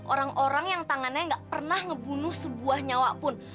orang orang yang tangannya gak pernah ngebunuh sebuah nyawa pun